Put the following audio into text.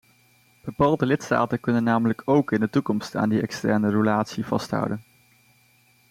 Bepaalde lidstaten kunnen namelijk ook in de toekomst aan die externe roulatie vasthouden.